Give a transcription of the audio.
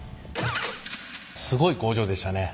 すごい工場でしたね。